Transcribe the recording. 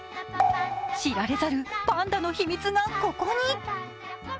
知られざるパンダの秘密がここに！